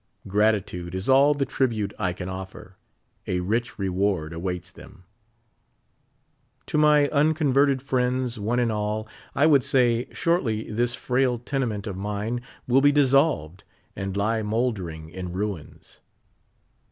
Gratitude is all the tribute I can offer. A rich reward awaits them. To my unconverted friends, one and all, I would say, shortl}' tliis frail tenement of mine will be dissolved and lie mouldering in ruins.